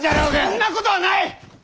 そんなことはない！